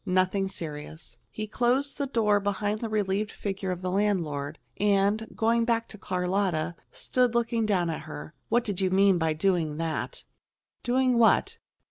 "Nothing serious." He closed the door behind the relieved figure of the landlord, and, going back to Carlotta, stood looking down at her. "What did you mean by doing that?" "Doing what?"